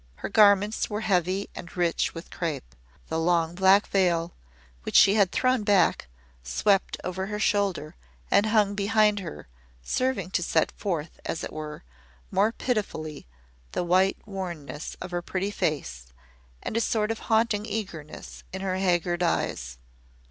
Her garments were heavy and rich with crape, the long black veil, which she had thrown back, swept over her shoulder and hung behind her, serving to set forth, as it were, more pitifully the white wornness of her pretty face, and a sort of haunting eagerness in her haggard eyes.